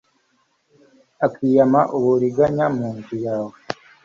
ukiyama uburiganya mu nzu yawe